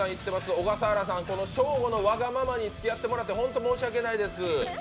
小笠原さん、ショーゴのわがままにつきあってもらって申し訳ないです。